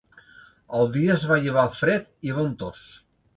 El dia es va llevar fred i ventós.